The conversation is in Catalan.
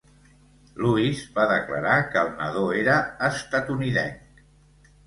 Lewis va declarar que el nadó era estatunidenc.